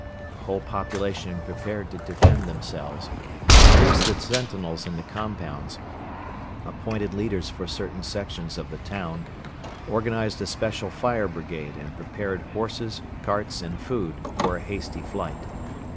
The whole population prepared to defend themselves, increased the sentinels in the compounds, appointed leaders for certain sections of the town, organized a special fire brigade and prepared horses, carts and food for a hasty flight.